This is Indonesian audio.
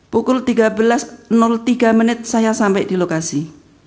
pukul tiga belas tiga menit saya sampai di lokasi